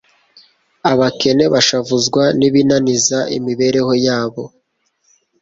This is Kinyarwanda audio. Abakene bashavuzwa n'ibinaniza imibereho yabo;